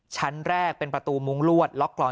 ชั้นแรกเป็นประตูมุ้งลวดล็อกกรอน